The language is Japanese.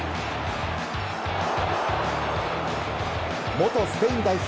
元スペイン代表